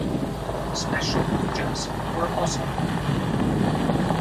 Special pujas were also held.